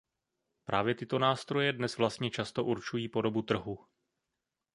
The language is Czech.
Právě tyto nástroje dnes vlastně často určují podobu trhu.